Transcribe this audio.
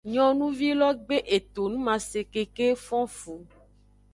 Nyonuvi lo gbe etonumase keke fon efu.